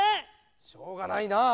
しょうがないなあ！